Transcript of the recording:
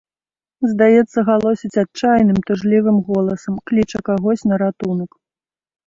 Здаецца, галосіць адчайным, тужлівым голасам, кліча кагось на ратунак.